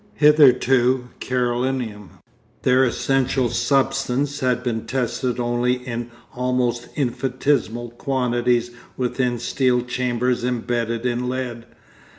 Hitherto Carolinum, their essential substance, had been tested only in almost infinitesimal quantities within steel chambers embedded in lead.